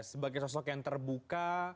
sebagai sosok yang terbuka